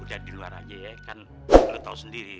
udah di luar aja ya kan lo tau sendiri